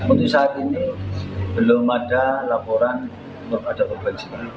untuk saat ini belum ada laporan ada korban jiwa